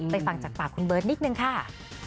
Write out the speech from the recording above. ฟังจากปากคุณเบิร์ตนิดนึงค่ะ